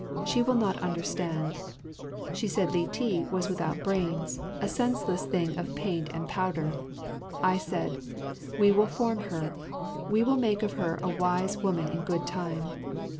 She will not understand. She said Li ti was without brains, a senseless thing of paint and powder. I said, "We will form her, we will make of her a wise woman in good time.